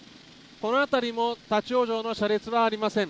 この辺りも立ち往生の車列はありません。